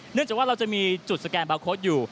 จากว่าเราจะมีจุดสแกนบาร์โค้ดอยู่